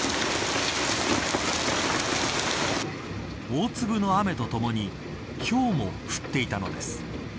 大粒の雨とともにひょうも降っていたのです。